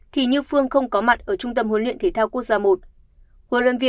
thì như phương không có mặt ở trung tâm huấn luyện thể thao quốc gia i